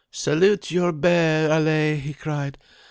"Salute your bear, Allaye," he cried.